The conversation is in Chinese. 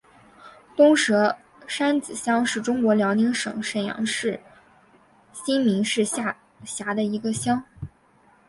东蛇山子乡是中国辽宁省沈阳市新民市下辖的一个乡。